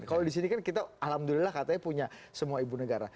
kalau di sini kan kita alhamdulillah katanya punya semua ibu negara